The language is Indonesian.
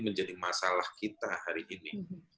menjadi masalah kita hari ini